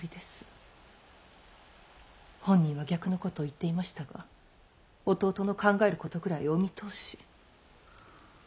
本人は逆のことを言っていましたが弟の考えることくらいお見通し。